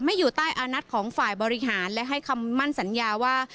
อยู่ใต้อานัทของฝ่ายบริหารและให้คำมั่นสัญญาว่า